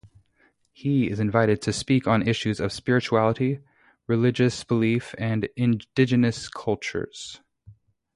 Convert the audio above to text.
He is invited to speak on issues of spirituality, religious belief and indigenous cultures.